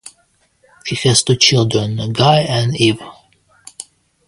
He has two children, Guy and Eve.